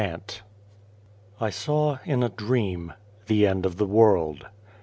33 GOD I SAW, in a dream, the End of the World.